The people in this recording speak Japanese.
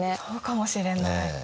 そうかもしれない。ね。